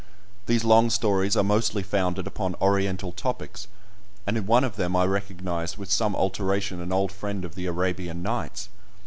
These long stories are mostly founded upon Oriental topics, and in one of them I recognised with some alteration an old friend of the "Arabian Nights."